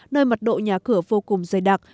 nơi mặt độ nhà cửa vô cùng dày đặc